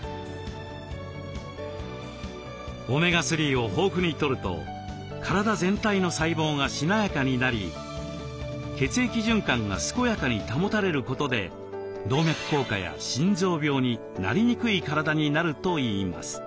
オメガ３を豊富にとると体全体の細胞がしなやかになり血液循環が健やかに保たれることで動脈硬化や心臓病になりにくい体になるといいます。